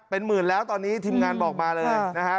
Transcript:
เป็นหมื่นแล้วตอนนี้ทีมงานบอกมาเลยนะฮะ